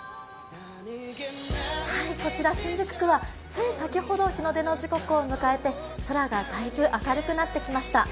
こちら新宿区はつい先ほど、日の出の時刻を迎えて空が明るくなってきました。